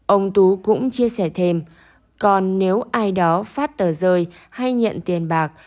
ông tú cũng chia sẻ thêm còn nếu ai đó phát tờ rơi hay nhận tiền bạc